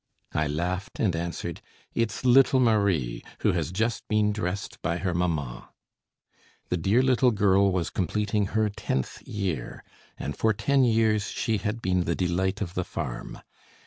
I laughed and answered: "It's little Marie, who has just been dressed by her mamma." The dear little girl was completing her tenth year, and for ten years she had been the delight of the farm.